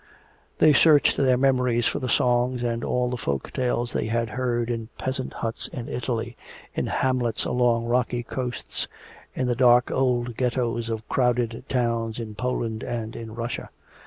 They searched their memories for the songs and all the folk tales they had heard in peasant huts in Italy, in hamlets along rocky coasts, in the dark old ghettos of crowded towns in Poland and in Russia.